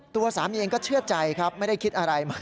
ตัวสามีเองก็เชื่อใจครับไม่ได้คิดอะไรมา